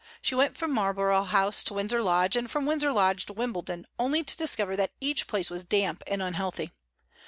She went from Marlborough House to Windsor Lodge, and from Windsor Lodge to Wimbledon, only to discover that each place was damp and unhealthy.